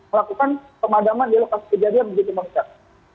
melakukan pemadaman di lepas kejadian begitu membuat